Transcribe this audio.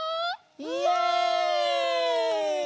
イエイ！